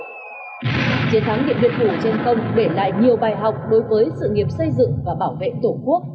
chiến thắng điện biên phủ trên công để lại nhiều bài học đối với sự nghiệp xây dựng và bảo vệ tổ quốc